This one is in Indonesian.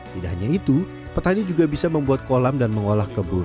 tidak hanya itu petani juga bisa membuat kolam dan mengolah kebun